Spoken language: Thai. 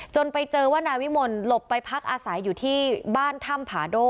ไปเจอว่านายวิมลหลบไปพักอาศัยอยู่ที่บ้านถ้ำผาโด่